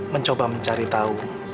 mencoba mencari tahu